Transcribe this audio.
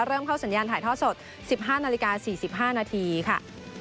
เริ่มเข้าสัญญาณถ่ายท่อสด๑๕นาฬิกา๔๕นาทีค่ะ